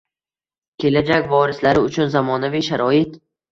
Kelajak vorislari uchun zamonaviy sharoit